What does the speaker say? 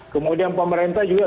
kemudian pemerintah juga